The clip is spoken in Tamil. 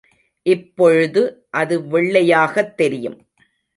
இப்பொழுது அது வெள்ளையாகத் தெரியும்.